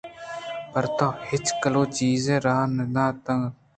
پر تو ہچ کلوہ ءُچیزے راہ نہ داتگ اَنت